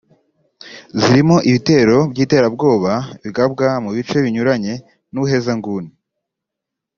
zirimo ibitero by’iterabwoba bigabwa mu bice binyuranye n’ubuhezanguni